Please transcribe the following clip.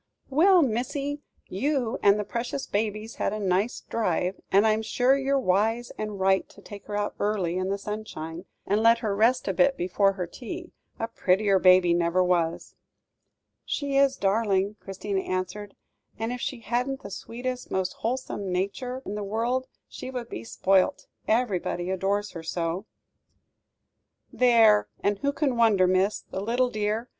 "Well, missy, you and the precious baby's had a nice drive; and I'm sure you're wise and right to take her out early, in the sunshine, and let her rest a bit before her tea a prettier baby never was." "She is a darling," Christina answered, "and if she hadn't the sweetest, most wholesome nature in the world, she would be spoilt, everybody adores her so!" "There! and who can wonder, miss. The little dear!